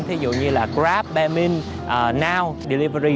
ví dụ như grab baemin now delivery